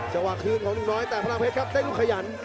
เฉพาะคืนของหนุ่มน้อยแต่พลังเพชรครับเต้นลูกขยัน